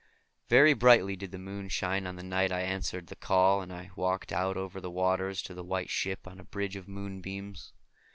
Very brightly did the moon shine on the night I answered the call, and I walked out over the waters to the White Ship on a bridge of moonbeams.